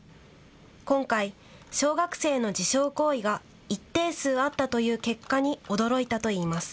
今回、小学生の自傷行為が一定数あったという結果に驚いたといいます。